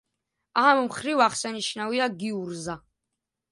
ამ მხრივ აღსანიშნავია გიურზა.